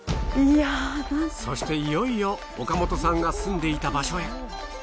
そしていよいよ岡本さんが住んでいた場所へ。